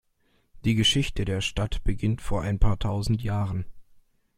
Die Geschichte der Stadt beginnt vor ein paar tausend Jahren.